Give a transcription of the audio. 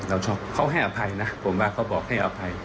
เราชอบเขาให้อภัยนะผมว่าเขาบอกให้อภัย